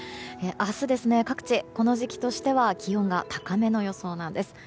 明日、各地、この時期としては気温が高めの予想なんです。